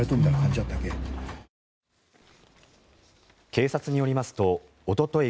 警察によりますとおととい